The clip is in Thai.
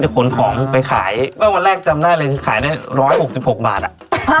ค้นของไปขายว่าวันแรกจำได้เลยคือขายได้ร้อยหกสิบหกบาทอะอ่า